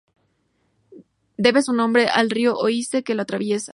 Debe su nombre al río Oise, que lo atraviesa.